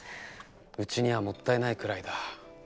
うちにはもったいないくらいだ。